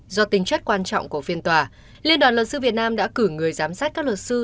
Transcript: do tính chất quan trọng của phiên tòa liên đoàn luật sư việt nam đã cử người giám sát các luật sư